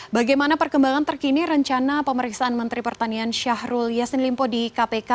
bagaimana perkembangan terkini rencana pemeriksaan menteri pertanian syahrul yassin limpo di kpk